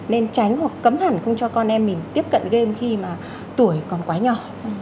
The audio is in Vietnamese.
nên tránh hoặc cấm hẳn không cho con em mình tiếp cận game khi mà tuổi còn quá nhỏ